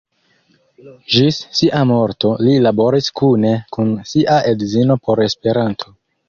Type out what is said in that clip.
Ĝis sia morto li laboris kune kun sia edzino por Esperanto.